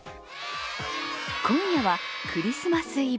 今夜はクリスマスイブ。